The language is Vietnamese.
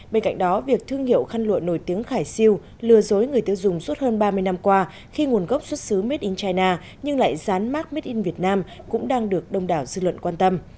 bên cạnh đó việc thương hiệu khăn lụa nổi tiếng khải siêu lừa dối người tiêu dùng suốt hơn ba mươi năm qua khi nguồn gốc xuất xứ made in china nhưng lại gián mark made in vietnam cũng đang được đông đảo dư luận quan tâm